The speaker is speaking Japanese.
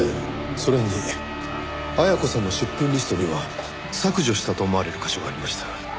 それに絢子さんの出品リストには削除したと思われる箇所がありました。